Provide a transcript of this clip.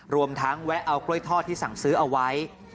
รวมทั้งแวะเอากล้วยทอดที่สั่งซื้อเอาไว้